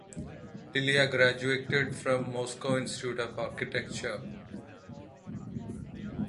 Lilya graduated from Moscow Institute of Architecture.